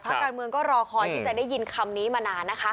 การเมืองก็รอคอยที่จะได้ยินคำนี้มานานนะคะ